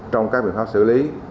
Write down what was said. trong các biện pháp xử lý